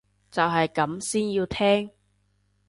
就係咁先要聽